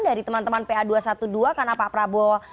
dari teman teman pa dua ratus dua belas karena pak prabowo